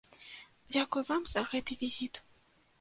Дзякуй вам за гэты візіт.